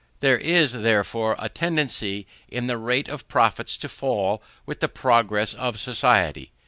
There is, therefore, a tendency in the rate of profits to fall with the progress of society.